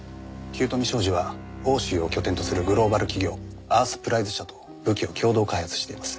九斗美商事は欧州を拠点とするグローバル企業アースプライズ社と武器を共同開発しています。